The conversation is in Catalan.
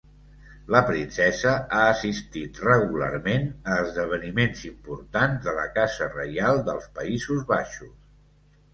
La princesa ha assistit regularment a esdeveniments importants de la Casa Reial dels Països Baixos.